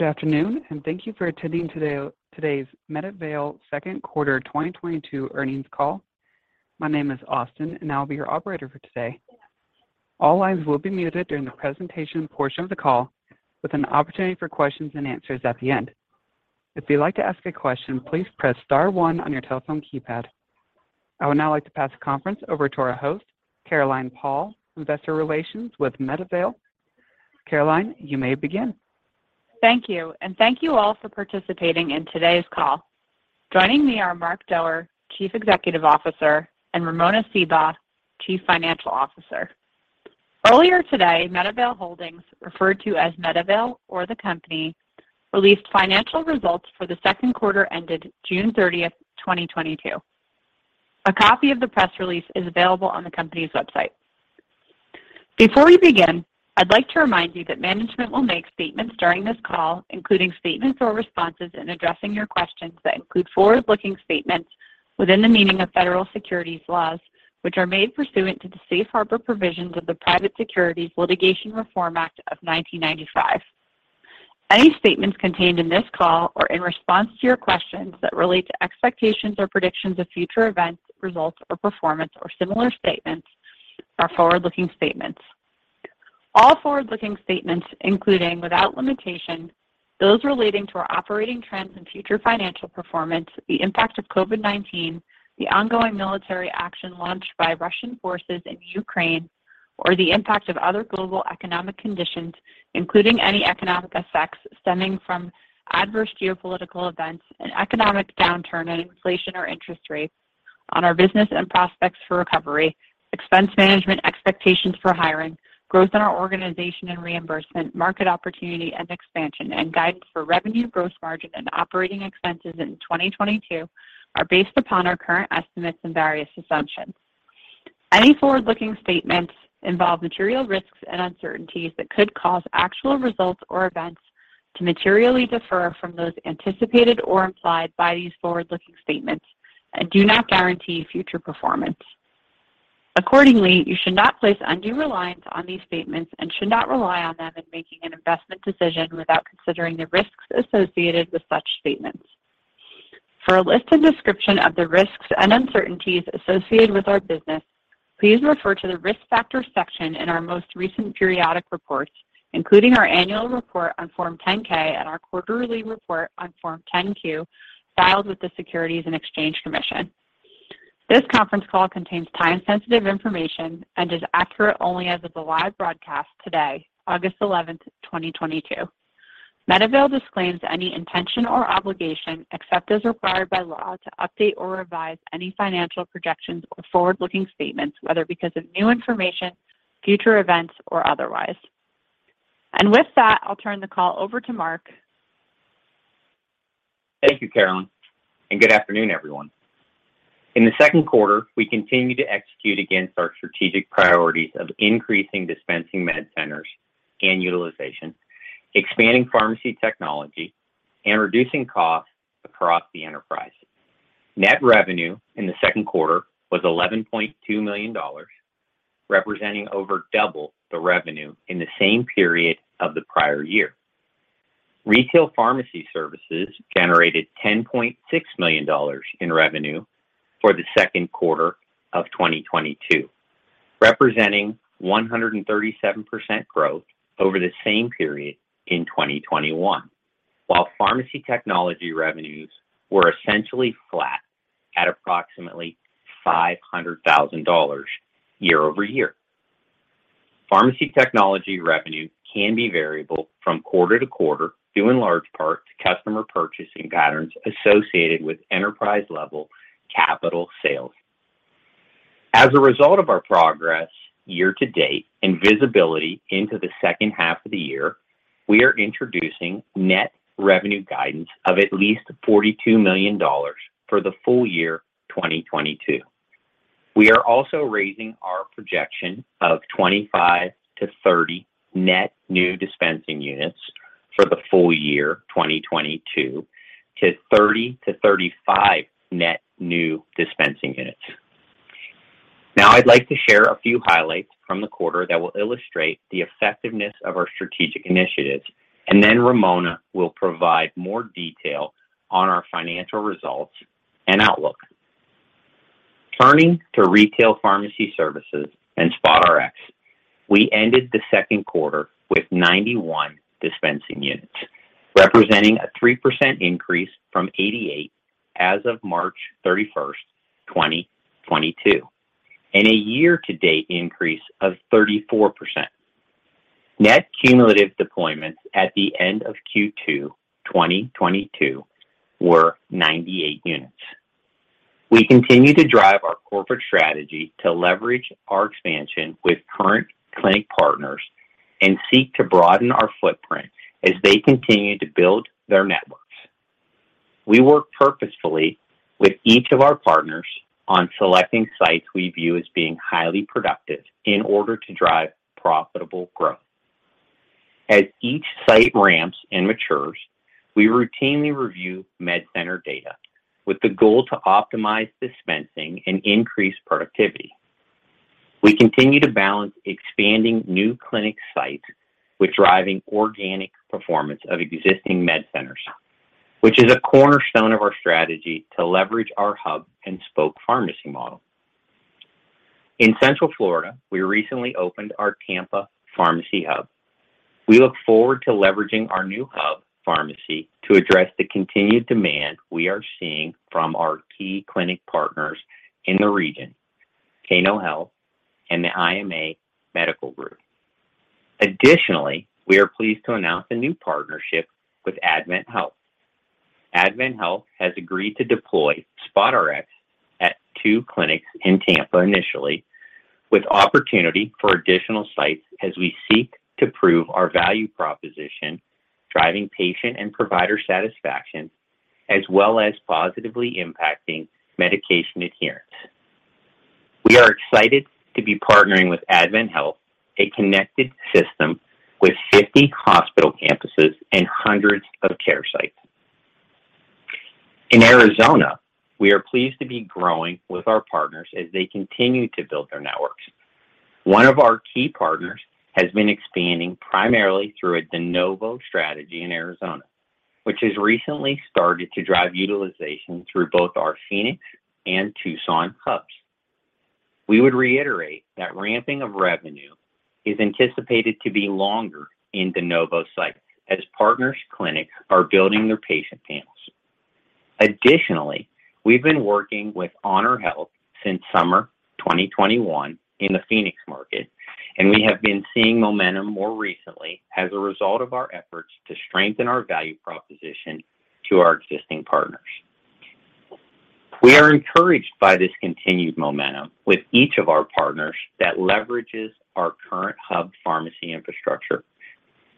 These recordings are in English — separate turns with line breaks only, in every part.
Good afternoon, and thank you for attending today's MedAvail Second Quarter 2022 earnings call. My name is Austin, and I'll be your operator for today. All lines will be muted during the presentation portion of the call, with an opportunity for questions and answers at the end. If you'd like to ask a question, please press star one on your telephone keypad. I would now like to pass the conference over to our host, Caroline Paul, Investor Relations with MedAvail. Caroline, you may begin.
Thank you. Thank you all for participating in today's call. Joining me are Mark Doerr, Chief Executive Officer, and Ramona Seabaugh, Chief Financial Officer. Earlier today, MedAvail Holdings, referred to as MedAvail or the company, released financial results for the second quarter ended June 30, 2022. A copy of the press release is available on the company's website. Before we begin, I'd like to remind you that management will make statements during this call, including statements or responses in addressing your questions that include forward-looking statements within the meaning of federal securities laws, which are made pursuant to the Safe Harbor provisions of the Private Securities Litigation Reform Act of 1995. Any statements contained in this call or in response to your questions that relate to expectations or predictions of future events, results, or performance or similar statements are forward-looking statements. All forward-looking statements, including, without limitation, those relating to our operating trends and future financial performance, the impact of COVID-19, the ongoing military action launched by Russian forces in Ukraine, or the impact of other global economic conditions, including any economic effects stemming from adverse geopolitical events, an economic downturn in inflation or interest rates on our business and prospects for recovery, expense management expectations for hiring, growth in our organization and reimbursement, market opportunity and expansion, and guidance for revenue, gross margin, and operating expenses in 2022, are based upon our current estimates and various assumptions. Any forward-looking statements involve material risks and uncertainties that could cause actual results or events to materially differ from those anticipated or implied by these forward-looking statements and do not guarantee future performance. Accordingly, you should not place undue reliance on these statements and should not rely on them in making an investment decision without considering the risks associated with such statements. For a list and description of the risks and uncertainties associated with our business, please refer to the Risk Factors section in our most recent periodic reports, including our annual report on Form 10-K and our quarterly report on Form 10-Q filed with the Securities and Exchange Commission. This conference call contains time-sensitive information and is accurate only as of the live broadcast today, August eleventh, 2022. MedAvail disclaims any intention or obligation, except as required by law, to update or revise any financial projections or forward-looking statements, whether because of new information, future events, or otherwise. With that, I'll turn the call over to Mark.
Thank you, Caroline, and good afternoon, everyone. In the second quarter, we continued to execute against our strategic priorities of increasing dispensing MedCenters and utilization, expanding pharmacy technology, and reducing costs across the enterprise. Net revenue in the second quarter was $11.2 million, representing over double the revenue in the same period of the prior year. Retail pharmacy services generated $10.6 million in revenue for the second quarter of 2022, representing 137% growth over the same period in 2021. While pharmacy technology revenues were essentially flat at approximately $500 thousand year-over-year. Pharmacy technology revenue can be variable from quarter-to-quarter, due in large part to customer purchasing patterns associated with enterprise-level capital sales. As a result of our progress year-to-date and visibility into the second half of the year, we are introducing net revenue guidance of at least $42 million for the full-year 2022. We are also raising our projection of 25-30 net new dispensing units for the full-year 2022 to 30-35 net new dispensing units. Now, I'd like to share a few highlights from the quarter that will illustrate the effectiveness of our strategic initiatives, and then Ramona will provide more detail on our financial results and outlook. Turning to retail pharmacy services and SpotRx, we ended the second quarter with 91 dispensing units, representing a 3% increase from 88 as of March 31, 2022, and a year-to-date increase of 34%. Net cumulative deployments at the end of Q2 2022 were 98 units. We continue to drive our corporate strategy to leverage our expansion with current clinic partners and seek to broaden our footprint as they continue to build their networks. We work purposefully with each of our partners on selecting sites we view as being highly productive in order to drive profitable growth. As each site ramps and matures, we routinely review MedCenter data with the goal to optimize dispensing and increase productivity. We continue to balance expanding new clinic sites with driving organic performance of existing MedCenters, which is a cornerstone of our strategy to leverage our hub and spoke pharmacy model. In Central Florida, we recently opened our Tampa pharmacy hub. We look forward to leveraging our new hub pharmacy to address the continued demand we are seeing from our key clinic partners in the region, Cano Health and the IMA Medical Group. Additionally, we are pleased to announce a new partnership with AdventHealth. AdventHealth has agreed to deploy SpotRx at two clinics in Tampa initially, with opportunity for additional sites as we seek to prove our value proposition, driving patient and provider satisfaction, as well as positively impacting medication adherence. We are excited to be partnering with AdventHealth, a connected system with 50 hospital campuses and hundreds of care sites. In Arizona, we are pleased to be growing with our partners as they continue to build their networks. One of our key partners has been expanding primarily through a de novo strategy in Arizona, which has recently started to drive utilization through both our Phoenix and Tucson hubs. We would reiterate that ramping of revenue is anticipated to be longer in de novo sites as partners' clinics are building their patient panels. Additionally, we've been working with HonorHealth since summer 2021 in the Phoenix market, and we have been seeing momentum more recently as a result of our efforts to strengthen our value proposition to our existing partners. We are encouraged by this continued momentum with each of our partners that leverages our current hub pharmacy infrastructure.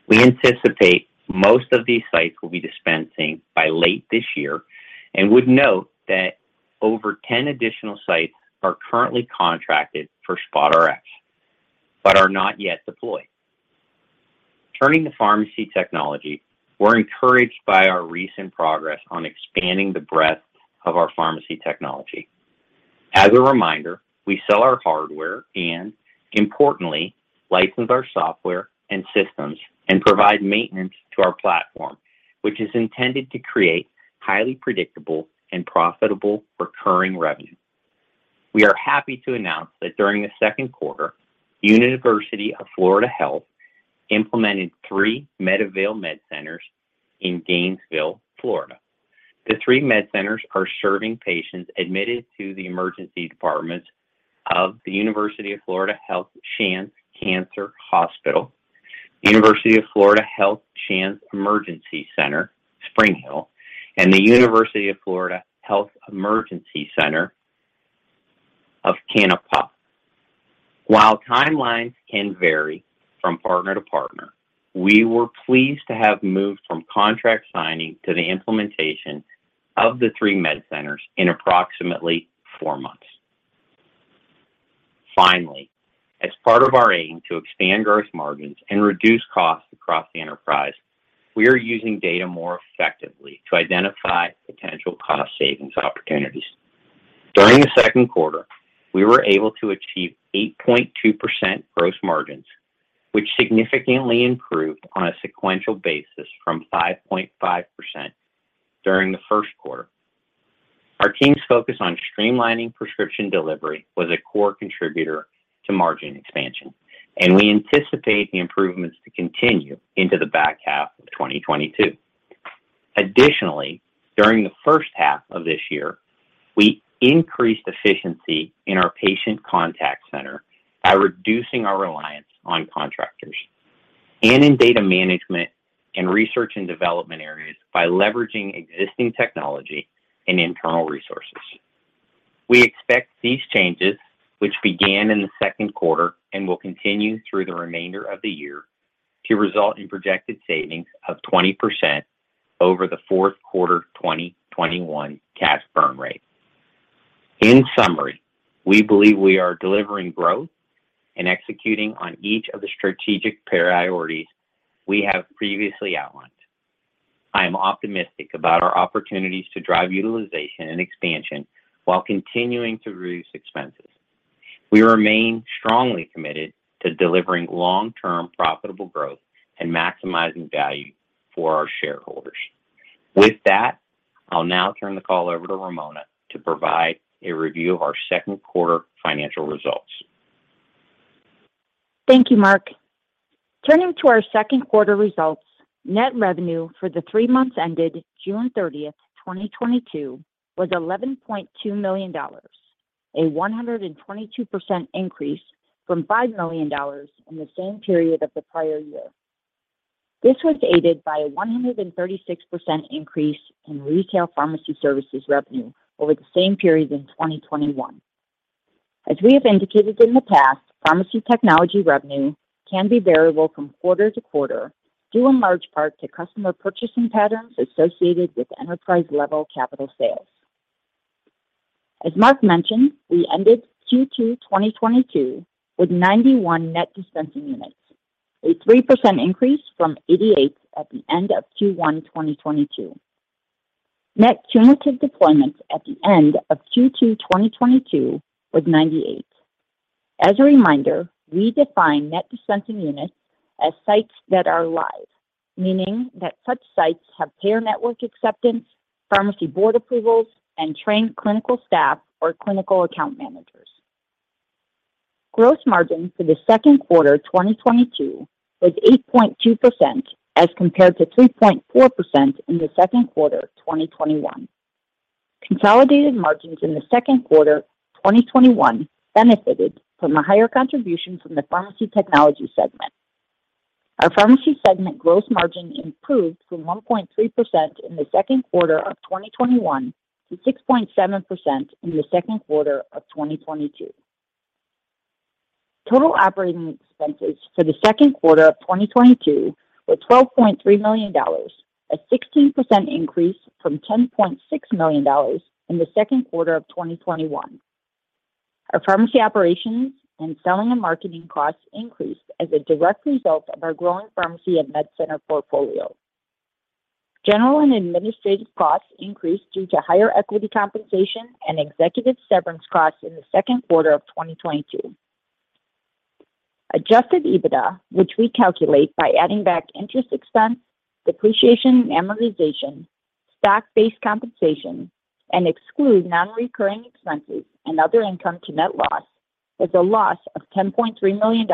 We anticipate most of these sites will be dispensing by late this year and would note that over 10 additional sites are currently contracted for SpotRx but are not yet deployed. Turning to pharmacy technology, we're encouraged by our recent progress on expanding the breadth of our pharmacy technology. As a reminder, we sell our hardware and, importantly, license our software and systems and provide maintenance to our platform, which is intended to create highly predictable and profitable recurring revenue. We are happy to announce that during the second quarter, University of Florida Health implemented three MedAvail MedCenters in Gainesville, Florida. The three MedCenters are serving patients admitted to the emergency departments of the UF Health Shands Cancer Hospital, UF Health Shands Emergency Center, Springhill, and the UF Health Emergency Center, Kanapaha. While timelines can vary from partner to partner, we were pleased to have moved from contract signing to the implementation of the three MedCenters in approximately four months. Finally, as part of our aim to expand gross margins and reduce costs across the enterprise, we are using data more effectively to identify potential cost savings opportunities. During the second quarter, we were able to achieve 8.2% gross margins, which significantly improved on a sequential basis from 5.5% during the first quarter. Our team's focus on streamlining prescription delivery was a core contributor to margin expansion, and we anticipate the improvements to continue into the back half of 2022. Additionally, during the first half of this year, we increased efficiency in our patient contact center by reducing our reliance on contractors and in data management and research and development areas by leveraging existing technology and internal resources. We expect these changes, which began in the second quarter and will continue through the remainder of the year, to result in projected savings of 20% over the fourth quarter 2021 cash burn rate. In summary, we believe we are delivering growth and executing on each of the strategic priorities we have previously outlined. I am optimistic about our opportunities to drive utilization and expansion while continuing to reduce expenses. We remain strongly committed to delivering long-term profitable growth and maximizing value for our shareholders. With that, I'll now turn the call over to Ramona to provide a review of our second quarter financial results.
Thank you, Mark. Turning to our second quarter results, net revenue for the three months ended June 30, 2022 was $11.2 million, a 122% increase from $5 million in the same period of the prior year. This was aided by a 136% increase in retail pharmacy services revenue over the same period in 2021. As we have indicated in the past, pharmacy technology revenue can be variable from quarter-to-quarter due in large part to customer purchasing patterns associated with enterprise-level capital sales. As Mark mentioned, we ended Q2 2022 with 91 net dispensing units, a 3% increase from 88 at the end of Q1 2022. Net cumulative deployments at the end of Q2 2022 was 98. As a reminder, we define net dispensing units as sites that are live, meaning that such sites have payer network acceptance, pharmacy board approvals, and trained clinical staff or clinical account managers. Gross margin for the second quarter 2022 was 8.2% as compared to 3.4% in the second quarter 2021. Consolidated margins in the second quarter 2021 benefited from a higher contribution from the pharmacy technology segment. Our pharmacy segment gross margin improved from 1.3% in the second quarter of 2021 to 6.7% in the second quarter of 2022. Total operating expenses for the second quarter of 2022 were $12.3 million, a 16% increase from $10.6 million in the second quarter of 2021. Our pharmacy operations and selling and marketing costs increased as a direct result of our growing pharmacy and MedCenter portfolio. General and administrative costs increased due to higher equity compensation and executive severance costs in the second quarter of 2022. Adjusted EBITDA, which we calculate by adding back interest expense, depreciation, amortization, stock-based compensation, and exclude non-recurring expenses and other income to net loss, was a loss of $10.3 million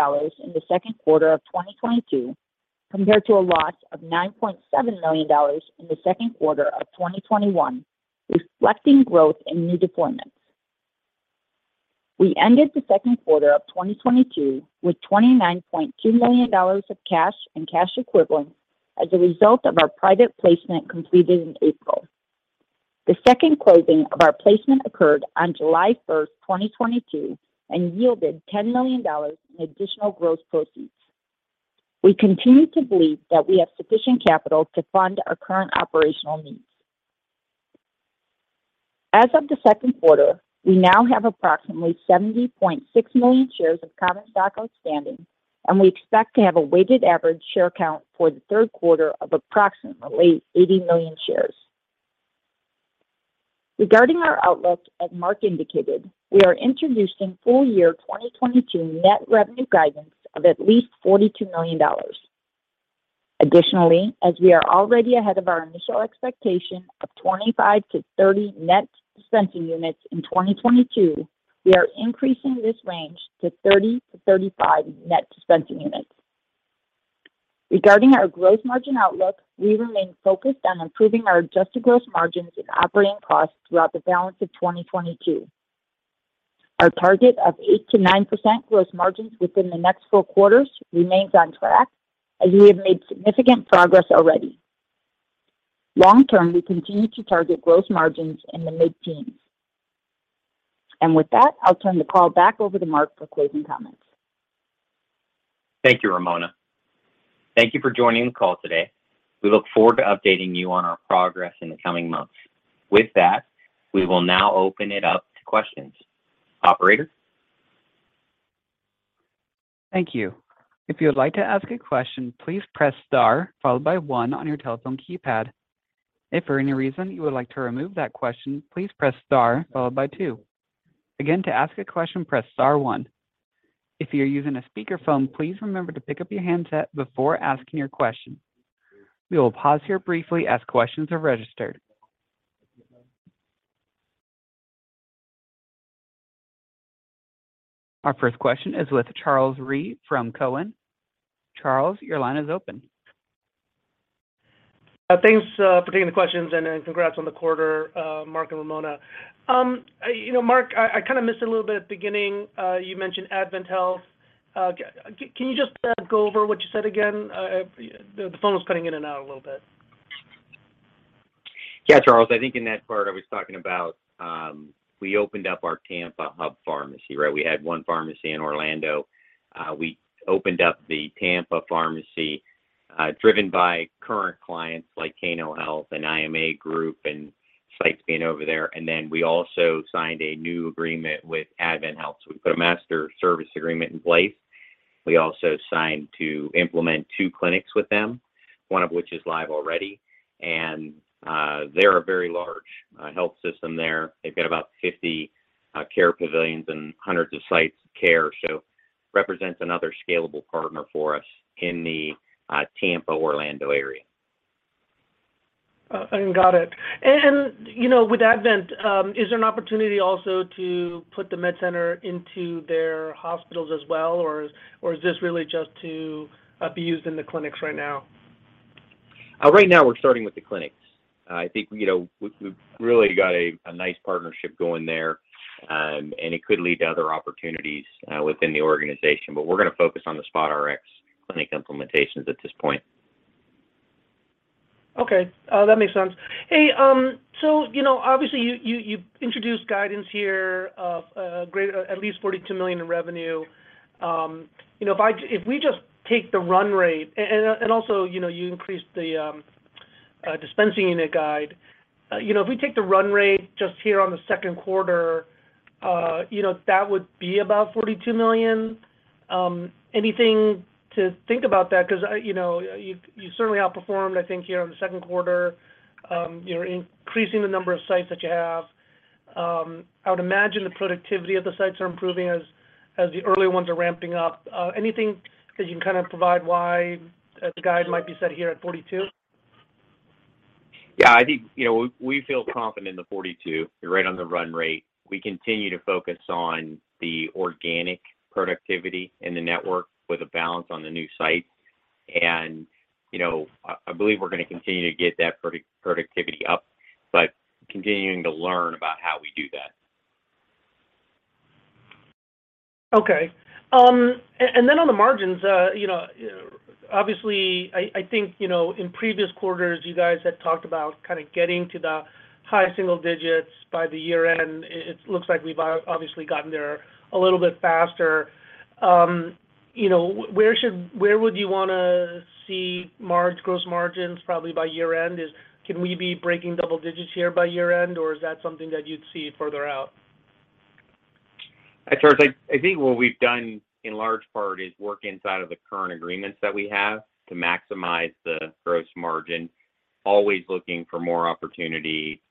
in the second quarter of 2022, compared to a loss of $9.7 million in the second quarter of 2021, reflecting growth in new deployments. We ended the second quarter of 2022 with $29.2 million of cash and cash equivalents as a result of our private placement completed in April. The second closing of our placement occurred on July 1, 2022 and yielded $10 million in additional gross proceeds. We continue to believe that we have sufficient capital to fund our current operational needs. As of the second quarter, we now have approximately 70.6 million shares of common stock outstanding, and we expect to have a weighted average share count for the third quarter of approximately 80 million shares. Regarding our outlook, as Mark indicated, we are introducing full year 2022 net revenue guidance of at least $42 million. Additionally, as we are already ahead of our initial expectation of 25-30 net dispensing units in 2022, we are increasing this range to 30-35 net dispensing units. Regarding our growth margin outlook, we remain focused on improving our adjusted gross margins and operating costs throughout the balance of 2022. Our target of 8%-9% gross margins within the next four quarters remains on track as we have made significant progress already. Long term, we continue to target gross margins in the mid-teens%. With that, I'll turn the call back over to Mark for closing comments.
Thank you, Ramona. Thank you for joining the call today. We look forward to updating you on our progress in the coming months. With that, we will now open it up to questions. Operator?
Thank you. If you would like to ask a question, please press star followed by one on your telephone keypad. If for any reason you would like to remove that question, please press star followed by two. Again, to ask a question, press star one. If you're using a speakerphone, please remember to pick up your handset before asking your question. We will pause here briefly as questions are registered. Our first question is with Charles Rhyee from Cowen. Charles, your line is open.
Thanks for taking the questions and then congrats on the quarter, Mark and Ramona. You know, Mark, I kinda missed a little bit at the beginning, you mentioned AdventHealth. Can you just go over what you said again? The phone was cutting in and out a little bit.
Yeah, Charles. I think in that part I was talking about we opened up our Tampa hub pharmacy, right? We had one pharmacy in Orlando. We opened up the Tampa pharmacy, driven by current clients like Cano Health and IMA Group and sites being over there. We also signed a new agreement with AdventHealth, so we put a master service agreement in place. We also signed to implement two clinics with them, one of which is live already. They're a very large health system there. They've got about 50 care pavilions and hundreds of sites of care, represents another scalable partner for us in the Tampa-Orlando area.
Got it. You know, with AdventHealth, is there an opportunity also to put the MedCenter into their hospitals as well, or is this really just to be used in the clinics right now?
Right now we're starting with the clinics. I think, you know, we've really got a nice partnership going there. It could lead to other opportunities within the organization. We're gonna focus on the SpotRx clinic implementations at this point.
Okay. That makes sense. Hey, so you know, obviously you introduced guidance here of at least $42 million in revenue. You know, if we just take the run rate. And also, you know, you increased the dispensing unit guide. You know, if we take the run rate just here on the second quarter, you know, that would be about $42 million. Anything to think about that? Because I, you know, you certainly outperformed, I think, here in the second quarter. You're increasing the number of sites that you have. I would imagine the productivity of the sites are improving as the earlier ones are ramping up. Anything that you can kind of provide why the guide might be set here at 42?
Yeah, I think, you know, we feel confident in the 42. You're right on the run rate. We continue to focus on the organic productivity in the network with a balance on the new sites. You know, I believe we're gonna continue to get that productivity up, but continuing to learn about how we do that.
Okay. On the margins, you know, obviously, I think, you know, in previous quarters, you guys had talked about kind of getting to the high single digits by the year-end. It looks like we've obviously gotten there a little bit faster. You know, where would you wanna see gross margins probably by year-end? Can we be breaking double digits here by year-end, or is that something that you'd see further out?
Charles, I think what we've done, in large part, is work inside of the current agreements that we have to maximize the gross margin, always looking for more opportunity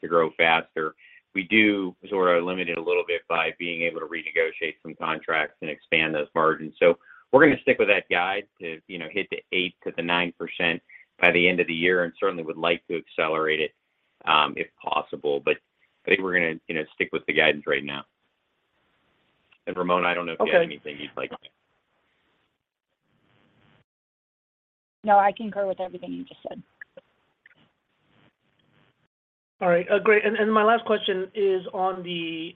to grow faster. We do sort of limit it a little bit by being able to renegotiate some contracts and expand those margins. We're gonna stick with that guidance to, you know, hit the 8%-9% by the end of the year, and certainly would like to accelerate it if possible. But I think we're gonna, you know, stick with the guidance right now. Ramona, I don't know if you had anything you'd like.
Okay.
No, I concur with everything you just said.
All right. Great. My last question is on the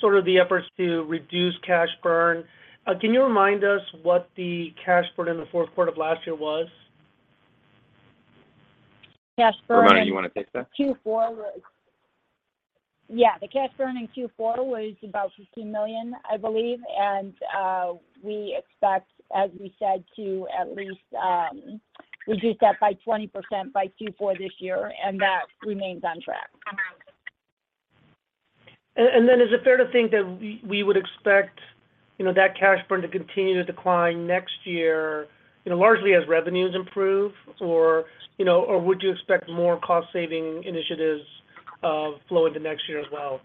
sort of the efforts to reduce cash burn. Can you remind us what the cash burn in the fourth quarter of last year was?
Cash burn in
Ramona, do you wanna take that?
The cash burn in Q4 was about $15 million, I believe. We expect, as we said, to at least reduce that by 20% by Q4 this year, and that remains on track.
Is it fair to think that we would expect, you know, that cash burn to continue to decline next year, you know, largely as revenues improve? Or, you know, would you expect more cost-saving initiatives flow into next year as well?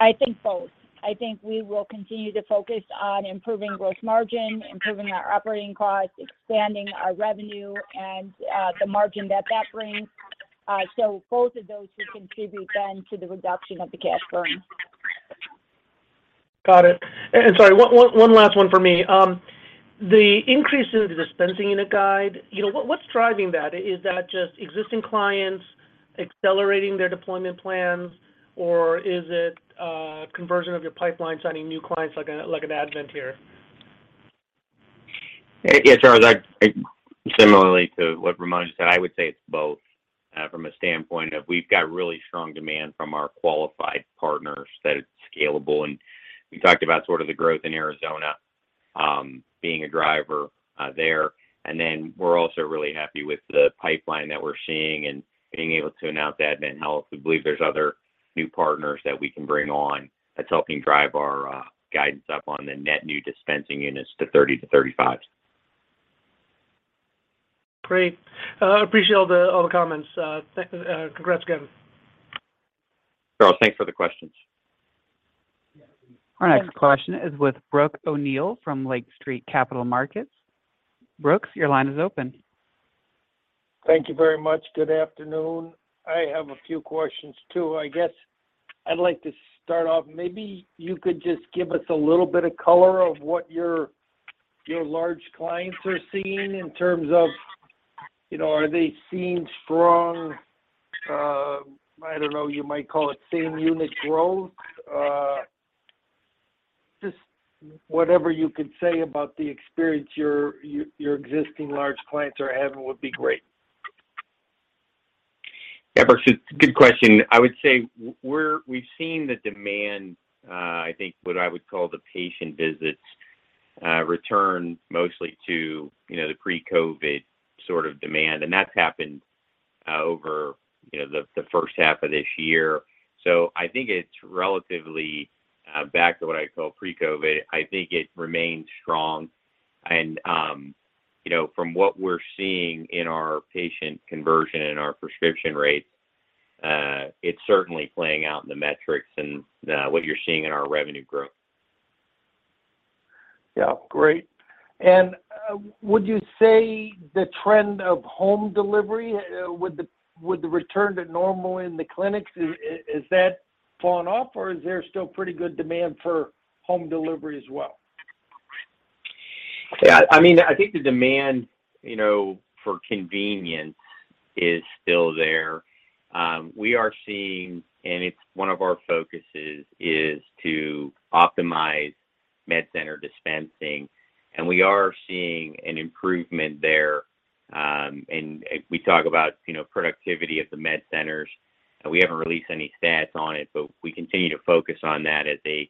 I think both. I think we will continue to focus on improving gross margin, improving our operating costs, expanding our revenue and, the margin that that brings. Both of those should contribute then to the reduction of the cash burn.
Got it. Sorry, one last one for me. The increase in the dispensing unit guide, you know, what's driving that? Is that just existing clients accelerating their deployment plans, or is it conversion of your pipeline, signing new clients like an Advent here?
Yeah. Sure. Similarly to what Ramona said, I would say it's both, from a standpoint of we've got really strong demand from our qualified partners that it's scalable. We talked about sort of the growth in Arizona, being a driver, there. Then we're also really happy with the pipeline that we're seeing and being able to announce AdventHealth. We believe there's other new partners that we can bring on that's helping drive our guidance up on the net new dispensing units to 30-35.
Great. Appreciate all the comments. Congrats again.
Charles, thanks for the questions.
Our next question is with Brooks O'Neil from Lake Street Capital Markets. Brooks, your line is open.
Thank you very much. Good afternoon. I have a few questions, too. I guess I'd like to start off, maybe you could just give us a little bit of color of what your large clients are seeing in terms of, you know, are they seeing strong, I don't know, you might call it same unit growth? Just whatever you could say about the experience your existing large clients are having would be great.
Yeah. Brooks, it's a good question. I would say we've seen the demand. I think what I would call the patient visits return mostly to, you know, the pre-COVID sort of demand, and that's happened over, you know, the first half of this year. So I think it's relatively back to what I call pre-COVID. I think it remains strong. You know, from what we're seeing in our patient conversion and our prescription rates, it's certainly playing out in the metrics and what you're seeing in our revenue growth.
Yeah. Great. Would you say the trend of home delivery, with the return to normal in the clinics, is that falling off, or is there still pretty good demand for home delivery as well?
Yeah. I mean, I think the demand, you know, for convenience is still there. We are seeing, and it's one of our focuses, is to optimize MedCenter dispensing, and we are seeing an improvement there. We talk about, you know, productivity at the MedCenters, and we haven't released any stats on it, but we continue to focus on that as a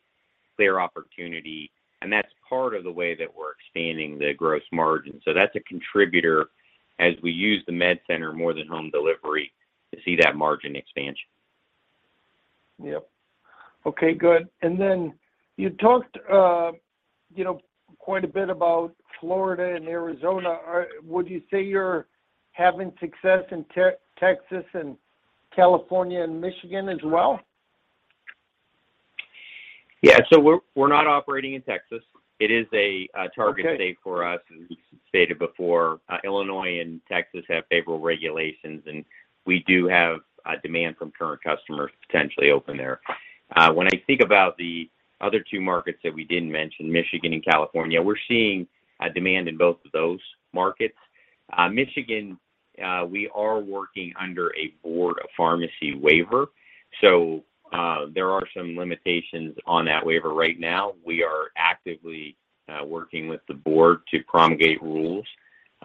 clear opportunity, and that's part of the way that we're expanding the gross margin. That's a contributor as we use the MedCenter more than home delivery to see that margin expansion.
Yep. Okay. Good. You talked quite a bit about Florida and Arizona. Would you say you're having success in Texas and California and Michigan as well?
Yeah. We're not operating in Texas. It is a target-
Okay
State for us. As we stated before, Illinois and Texas have favorable regulations, and we do have a demand from current customers to potentially open there. When I think about the other two markets that we didn't mention, Michigan and California, we're seeing a demand in both of those markets. Michigan, we are working under a Board of Pharmacy waiver, so there are some limitations on that waiver right now. We are actively working with the board to promulgate rules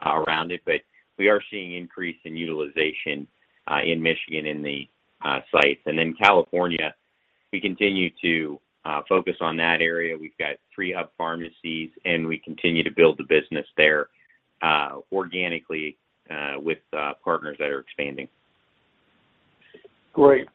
around it, but we are seeing increase in utilization in Michigan in the sites. California, we continue to focus on that area. We've got three hub pharmacies, and we continue to build the business there organically with partners that are expanding.
Great.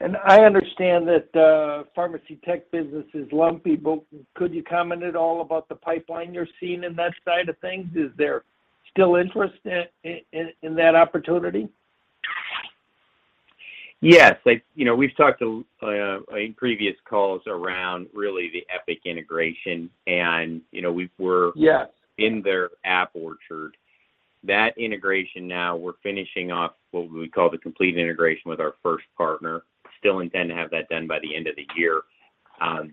I understand that the pharmacy tech business is lumpy, but could you comment at all about the pipeline you're seeing in that side of things? Is there still interest in that opportunity?
Yes. Like, you know, we've talked in previous calls around really the Epic integration and, you know, we're
Yes...
in their App Orchard. That integration now, we're finishing off what we would call the complete integration with our first partner. Still intend to have that done by the end of the year.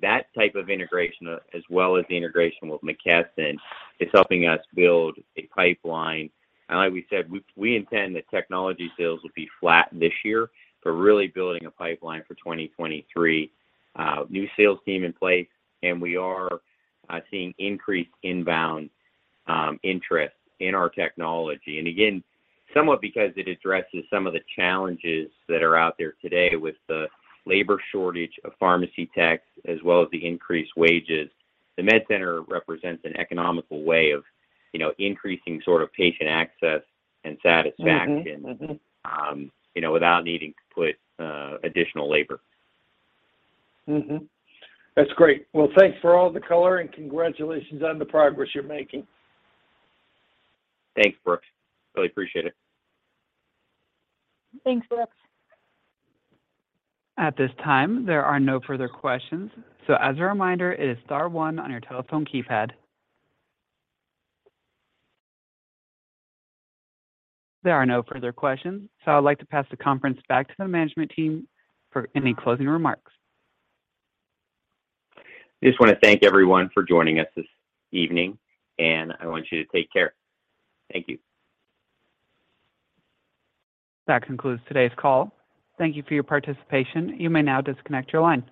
That type of integration, as well as the integration with McKesson, is helping us build a pipeline. Like we said, we intend that technology sales will be flat this year, but really building a pipeline for 2023. New sales team in place, and we are seeing increased inbound interest in our technology. Again, somewhat because it addresses some of the challenges that are out there today with the labor shortage of pharmacy techs as well as the increased wages. The MedCenter represents an economical way of, you know, increasing sort of patient access and satisfaction.
Mm-hmm. Mm-hmm
you know, without needing to put additional labor.
That's great. Well, thanks for all the color, and congratulations on the progress you're making.
Thanks, Brooks. Really appreciate it.
Thanks, Brooks.
At this time, there are no further questions. As a reminder, it is star one on your telephone keypad. There are no further questions, so I'd like to pass the conference back to the management team for any closing remarks.
Just wanna thank everyone for joining us this evening, and I want you to take care. Thank you.
That concludes today's call. Thank you for your participation. You may now disconnect your line.